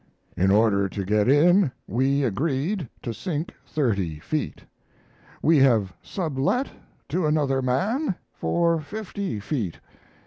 In order to get in, we agreed to sink 30 ft. We have sublet to another man for 50 ft.